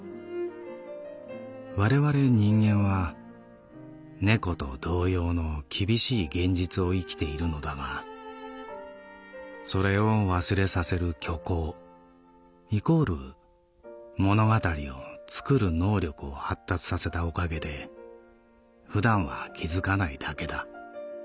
われわれ人間は猫と同様の厳しい現実を生きているのだがそれを忘れさせる虚構＝物語を創る能力を発達させたおかげで普段は気づかないだけだ。